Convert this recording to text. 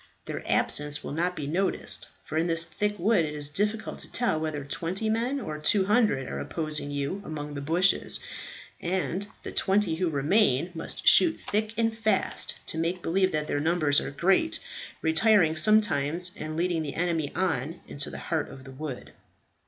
Their absence will not be noticed, for in this thick wood it is difficult to tell whether twenty men or two hundred are opposing you among the bushes; and the twenty who remain must shoot thick and fast to make believe that their numbers are great, retiring sometimes, and leading the enemy on into the heart of the wood."